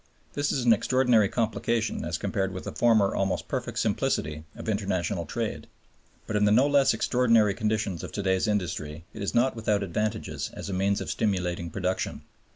This is an extraordinary complication as compared with the former almost perfect simplicity of international trade. But in the no less extraordinary conditions of to day's industry it is not without advantages as a means of stimulating production.